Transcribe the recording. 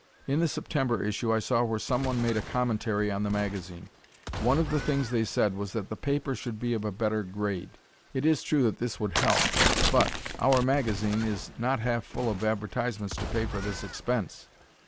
In the September issue I saw where someone made a commentary on the magazine. One of the things they said was that the paper should be of a better grade. It is true that this would help, but "our" magazine is not half full of advertisements to pay for this expense.